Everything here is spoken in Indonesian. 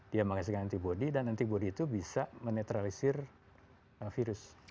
dia menghasilkan antibody dan antibody itu bisa menetralisir virus